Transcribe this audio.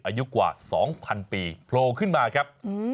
อายุกว่า๒๐๐๐ปีโผล่ขึ้นมาครับ